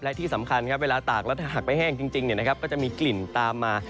และที่สำคัญเวลาตากแล้วถ้าหักไปแห้งจริงเนี่ยนะครับก็จะมีกลิ่นตามมา